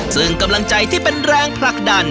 ซึ่งกำลังใจที่เป็นแรงผลักดัน